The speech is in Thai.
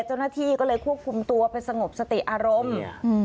เจ้าหน้าที่ก็เลยควบคุมตัวไปสงบสติอารมณ์เนี่ยอืม